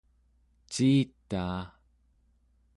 ciitaa